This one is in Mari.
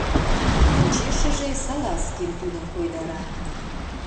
Почешыже Салазкин тудым койдара: